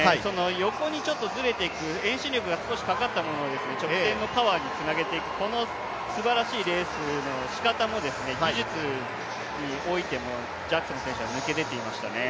横にちょっとずれていく、遠心力が少しかかったものを直線のパワーにつなげていくこのすばらしいレースのしかたも技術においても、ジャクソン選手は抜け出ていましたね。